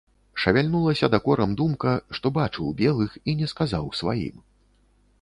Шавяльнулася дакорам думка, што бачыў белых і не сказаў сваім.